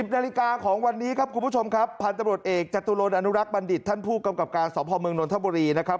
นาฬิกาของวันนี้ครับคุณผู้ชมครับพันธบรวจเอกจตุรนอนุรักษ์บัณฑิตท่านผู้กำกับการสพเมืองนทบุรีนะครับ